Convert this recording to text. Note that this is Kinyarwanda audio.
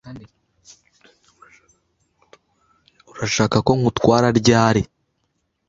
Urashaka ko ngutwara ryari?